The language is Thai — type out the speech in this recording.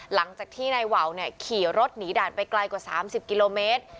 หลังจากที่นายวาวขี่รถหนีด่านไปไกลกว่า๓๐กิโลเมตร